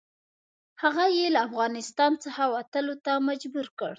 هغه یې له افغانستان څخه وتلو ته مجبور کړ.